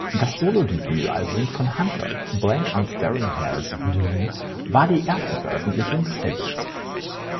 Das Solo-Debütalbum von Hunter "Blank Unstaring Heirs of Doom" war die erste Veröffentlichung des Labels.